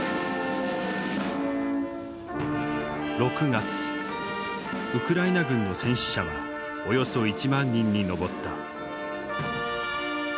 ６月ウクライナ軍の戦死者はおよそ１万人に上った。